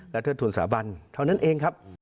และเทิดทุนสาบันเท่านั้นเองครับ